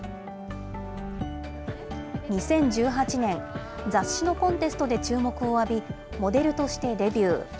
２０１８年、雑誌のコンテストで注目を浴び、モデルとしてデビュー。